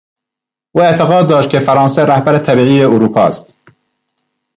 او اعتقاد داشت که فرانسه رهبر طبیعی اروپا است.